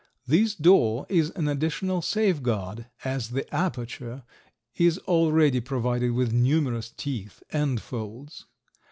This door is an additional safeguard as the aperture is already provided with numerous teeth and folds.